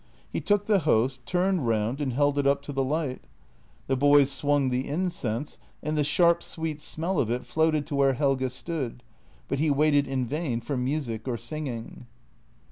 He took the Host, turned round and held it up to the light. The boys swung the incense, and the sharp, sweet smell of it floated to where Helge stood, but he waited in vain for music or singing.